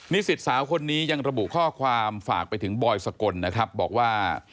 สิทธิ์สาวคนนี้ยังระบุข้อความฝากไปถึงบอยสกลนะครับบอกว่า